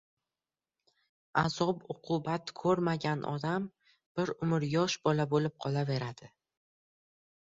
Azob-uqubat ko‘rmagan odam bir umr yosh bola bo‘lib qolaveradi.